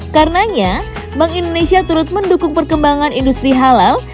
karenanya bank indonesia turut mendukung perkembangan industri halal